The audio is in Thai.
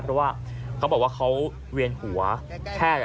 เพราะว่าเขาบอกว่าเขาเวียนหัวแพทย์